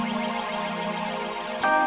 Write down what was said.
tidak tidak tidak